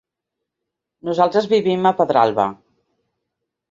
Nosaltres vivim a Pedralba.